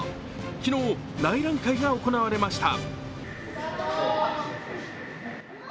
昨日、内覧会が行われました。